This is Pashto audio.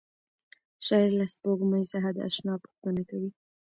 شاعر له سپوږمۍ څخه د اشنا پوښتنه کوي.